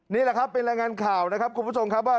นี่แหละครับเป็นรายงานข่าวนะครับคุณผู้ชมครับว่า